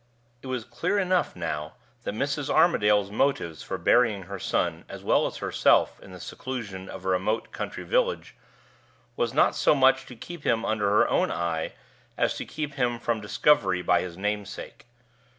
It was clear enough, now, that Mrs. Armadale's motives for burying her son as well as herself in the seclusion of a remote country village was not so much to keep him under her own eye as to keep him from discovery by his namesake.